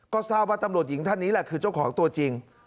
ก็ทราบว่าตำรวจหญิงท่านนี้แหละคือเจ้าของตัวจริง